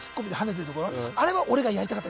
あれは俺がやりたかった。